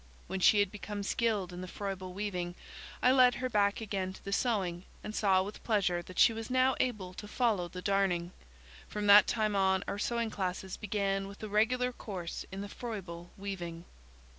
When she had become skilled in the Froebel weaving, I led her back again to the sewing, and saw with pleasure that she was now able to follow the darning. From that time on, our sewing classes began with a regular course in the Froebel weaving.